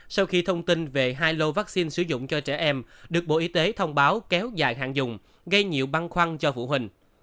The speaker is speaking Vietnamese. sau khi thông tin về hai lô vaccine sử dụng cho trẻ em được bộ y tế thông báo kéo dài hạn dùng gây nhiều băn khoăn cho phụ huynh